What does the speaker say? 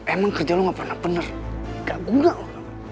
emang kerja lo gak pernah bener gak loh